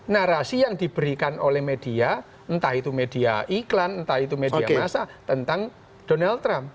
narasi yang diberikan oleh media entah itu media iklan entah itu media massa tentang donald trump